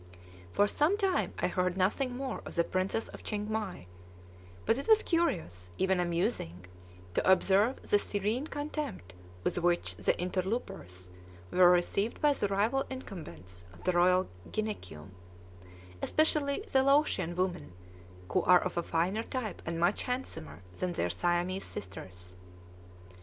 For some time I heard nothing more of the Princess of Chiengmai; but it was curious, even amusing, to observe the serene contempt with which the "interlopers" were received by the rival incumbents of the royal gynecium, especially the Laotian women, who are of a finer type and much handsomer than their Siamese sisters.